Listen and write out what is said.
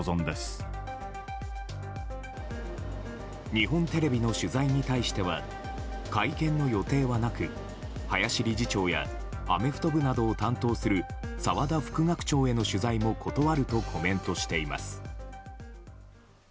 日本テレビの取材に対しては会見の予定はなく林理事長やアメフト部などを担当する澤田副学長への取材も断るとコメントしています。